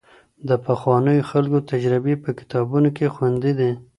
د پخوانيو خلګو تجربې په کتابونو کي خوندي دي.